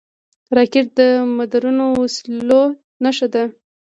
راکټ د مدرنو وسلو نښه ده